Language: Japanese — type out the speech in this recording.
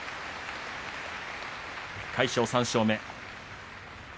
魁勝、３勝目。